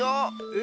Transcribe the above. え？